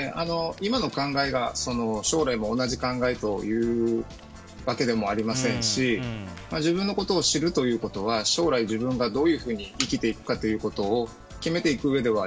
今の考えが将来も同じ考えというわけでもありませんし自分のことを知るということは将来自分がどういうふうに生きていくかということを決めていくうえでは